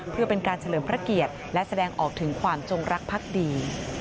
เพื่อเป็นการเฉลิมพระเกียรติและแสดงออกถึงความจงรักภักดี